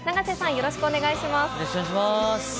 よろしくお願いします。